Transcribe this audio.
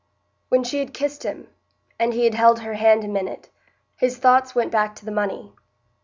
When she had kissed him, and he had held her hand a minute, his thoughts went back to the money.